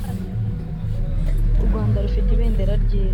u Rwanda rufite ibendera ryiza